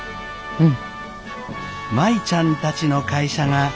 うん。